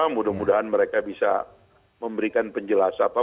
mudah mudahan mereka bisa memberikan penjelasan